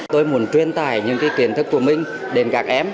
tôi muốn truyền tải những kiến thức của mình đến các em